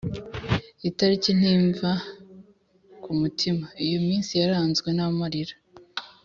itariki ntimva ku mutima, iyo minsi yaranzwe n’amarira